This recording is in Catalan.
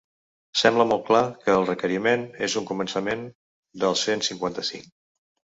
Sembla molt clar que el requeriment és un començament del cent cinquanta-cinc.